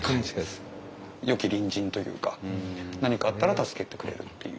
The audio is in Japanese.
よき隣人というか何かあったら助けてくれるっていう。